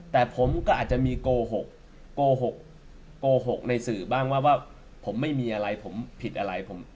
แต่ผมก็อาจจะมีโกหกโกหกโกหกในสื่อบ้างว่าผมไม่มีอะไรผมผิดอะไร